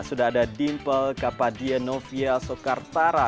sudah ada dimple kapadienovia sokartara